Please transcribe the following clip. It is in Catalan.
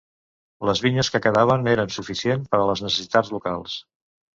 Les vinyes que quedaven eren suficient per a les necessitats locals.